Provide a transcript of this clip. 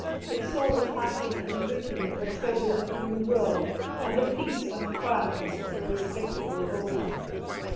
It saw the fighting and drinking of a turbulent New World and the peace and quietness of a respectable Old one.